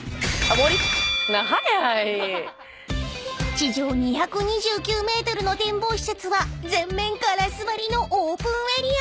［地上２２９ｍの展望施設は全面ガラス張りのオープンエリア］